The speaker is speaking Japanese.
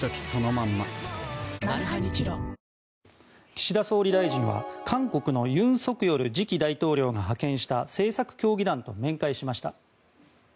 岸田総理大臣は韓国の尹錫悦次期大統領が派遣した政策協議団と面会しました。